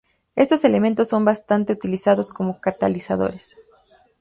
Estos elementos son bastante utilizados como catalizadores.